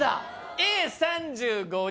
Ａ３５人。